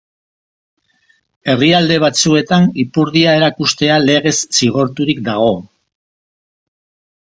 Herrialde batzuetan ipurdia erakustea legez zigorturik dago.